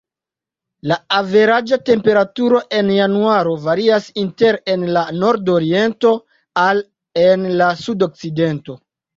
La averaĝa temperaturo en januaro varias inter en la nordoriento al en la sudokcidento.